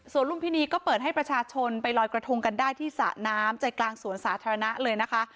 ลุมพินีก็เปิดให้ประชาชนไปลอยกระทงกันได้ที่สระน้ำใจกลางสวนสาธารณะเลยนะคะ